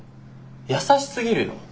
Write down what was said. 優しすぎるよ。